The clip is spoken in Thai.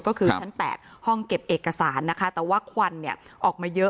ก็คือชั้น๘ห้องเก็บเอกสารนะคะแต่ว่าควันเนี่ยออกมาเยอะ